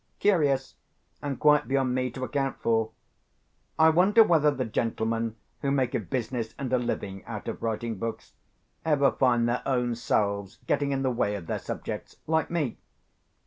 Curious, and quite beyond me to account for. I wonder whether the gentlemen who make a business and a living out of writing books, ever find their own selves getting in the way of their subjects, like me?